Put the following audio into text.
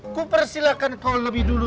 ku persilahkan kau lebih dulu